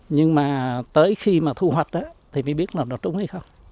nhưng mà tới khi mà thu hoạch thì mới biết là nó trúng hay không